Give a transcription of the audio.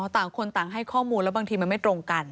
ต่างคนต่างให้ข้อมูลแล้วบางทีมันไม่ตรงกัน